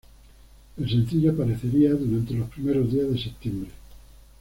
El sencillo aparecería durante los primeros días de septiembre.